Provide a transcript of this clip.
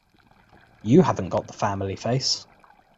You haven't got the family face.